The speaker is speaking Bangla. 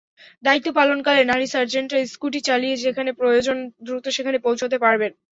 দায়িত্ব পালনকালে নারী সার্জেন্টরা স্কুটি চালিয়ে যেখানে প্রয়োজন, দ্রুত সেখানে পৌঁছাতে পারবেন।